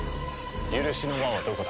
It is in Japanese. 許しの輪はどこだ？